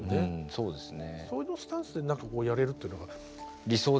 そうですね。